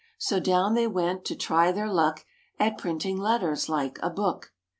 So down they went to try their luck At printing letters like a book.